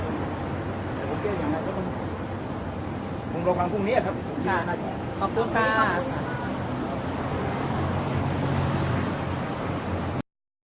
แต่โอเคอย่างไรก็คงลงฟังพรุ่งเนี้ยครับค่ะขอบคุณค่ะ